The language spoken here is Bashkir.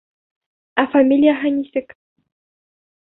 Ә фамилияһы нисек?